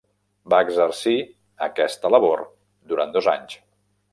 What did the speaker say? Va exercir aquesta labor durant dos anys.